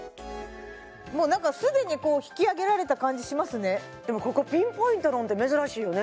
もうなんか既に引き上げられた感じしますねでもここピンポイントのって珍しいよね